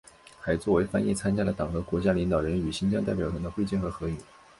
还作为翻译参加了党和国家领导人与新疆代表团的会见和合影。